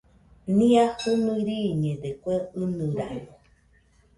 Nia jinui riiñede kue ɨnɨrano